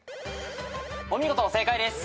お見事正解です。